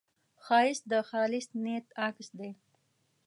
ښایست د خالص نیت عکس دی